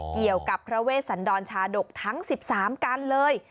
เกี่ยวกับพระเวชสันดรชาดกทั้ง๑๓กันเลย